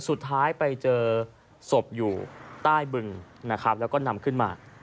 สุดท้ายไปเจอศพอยู่ใต้บึงนะครับแล้วก็นำขึ้นมา